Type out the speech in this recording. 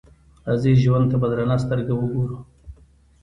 راځئ ژوند ته په درنه سترګه وګورو.